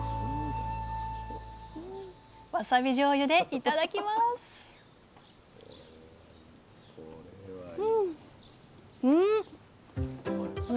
わさびじょうゆでいただきますアッハッハ！